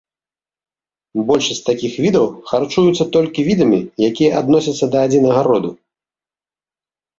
Большасць такіх відаў харчуюцца толькі відамі, якія адносяцца да адзінага роду.